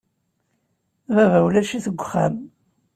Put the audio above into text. Baba ulac-it deg uxxam.